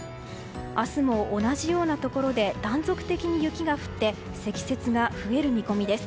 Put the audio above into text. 明日も同じようなところで断続的に雪が降って積雪が増える見込みです。